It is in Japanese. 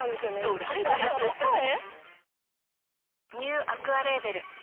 ドライブでどこへ？